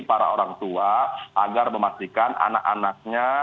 para orang tua agar memastikan anak anaknya